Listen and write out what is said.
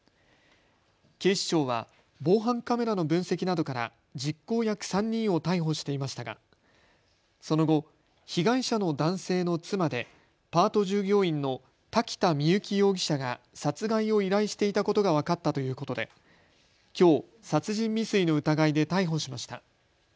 警視庁は防犯カメラの分析などから実行役３人を逮捕していましたがその後、被害者の男性の妻でパート従業員の瀧田深雪容疑者が殺害を依頼していたことが分かったということできょう殺人未遂の疑いで逮捕しました。